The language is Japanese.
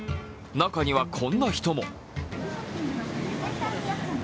中にはこんな人も。